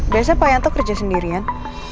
biasanya pak yanto kerja sendirian